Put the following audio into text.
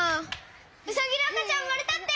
ウサギのあかちゃんうまれたって！